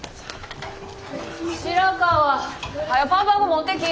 白川！はよパンパン粉持ってき！